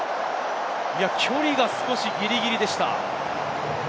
距離が少しギリギリでした。